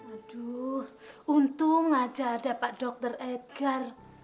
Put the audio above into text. aduh untung aja ada pak dr edgar